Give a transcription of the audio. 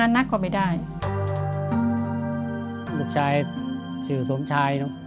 ลูกชายชื่อสวมชาย